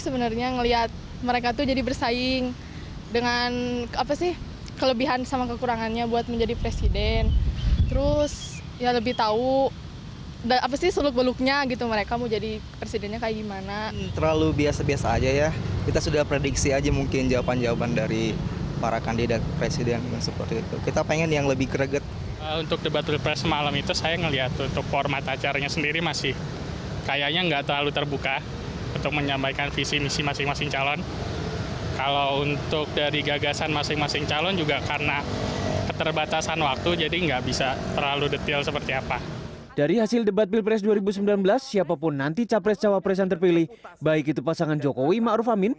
bagi beberapa presiden terpilih baik itu pasangan jokowi ma'ruf amin